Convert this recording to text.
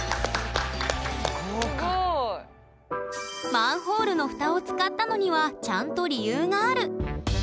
マンホールの蓋を使ったのにはちゃんと理由がある。